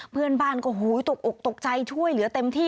เพื่อนบ้านก็ตกอกตกใจช่วยเหลือเต็มที่